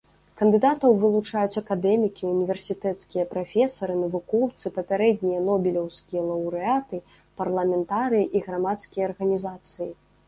Кандыдатаў вылучаюць акадэмікі, універсітэцкія прафесары, навукоўцы, папярэднія нобелеўскія лаўрэаты, парламентарыі і грамадскія арганізацыі.